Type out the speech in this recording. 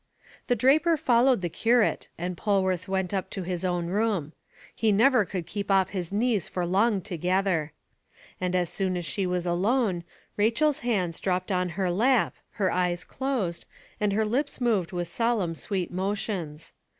The draper followed the curate, and Polwarth went up to his own room: he never could keep off his knees for long together. And as soon as she was alone, Rachel's hands dropped on her lap, her eyes closed, and her lips moved with solemn sweet motions.